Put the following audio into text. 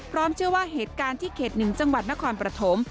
พร้อมเชื่อว่าเหตุการณ์ที่เข็ดหนึ่งจังหวัดนครประถม